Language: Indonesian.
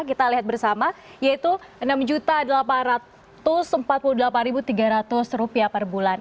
kita lihat bersama yaitu rp enam delapan ratus empat puluh delapan tiga ratus per bulan